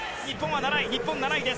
日本は７位です。